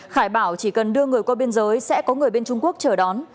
khải bảo chỉ cần đưa người qua biên giới sẽ có người bên trung quốc chờ đón